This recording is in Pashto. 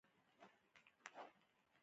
آیا بدل اخیستل د پښتونولۍ یو اصل نه دی؟